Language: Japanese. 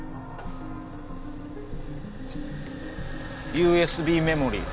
ＵＳＢメモリー。